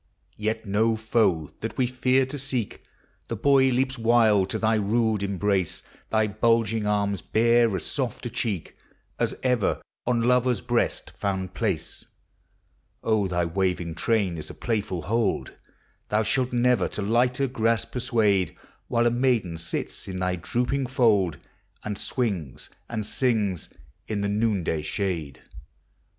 Yet no foe that we fear to seek, — The boy leaps wild to thy rude embrace; Thy bulging arms bear as soli a cheek As ever on lover's breast found place; On thy waving train is a playful hold Thou shalt never to lighter grasp persuade, While a maiden sits in thy drooping fold, And swings and sings in tin' noondaj Bhade!